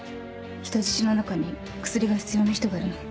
人質の中に薬が必要な人がいるの。